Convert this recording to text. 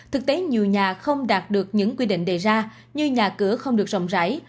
thực tế nhiều nhà không đạt được những quy định đề ra như nhà cửa không được rộng rãi